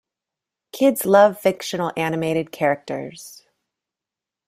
Kids love fictional animated characters.